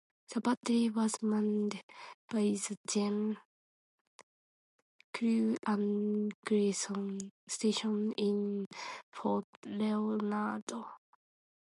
The battery was manned by the gun crew and garrison stationed in Fort Leonardo.